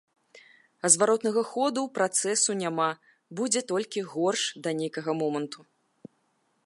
А зваротнага ходу ў працэсу няма, будзе толькі горш да нейкага моманту.